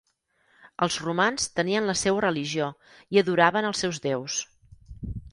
Els romans tenien la seua religió i adoraven els seus déus.